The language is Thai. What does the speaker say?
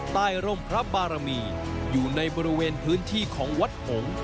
ร่มพระบารมีอยู่ในบริเวณพื้นที่ของวัดหงษ์